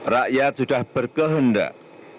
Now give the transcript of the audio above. rakyat sudah berkehendak